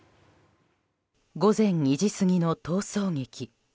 午前２時過ぎの逃走劇。